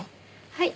はい。